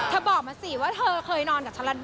เธอบอกมาสิว่าเธอเคยนอนกับฉันแล้ว